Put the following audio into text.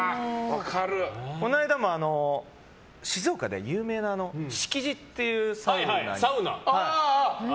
この間も、静岡で有名なしきじっていうサウナで。